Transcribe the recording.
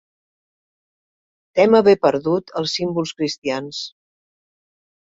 Tem haver perdut els símbols cristians.